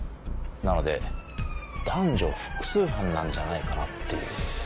なので男女複数犯なんじゃないかなっていう。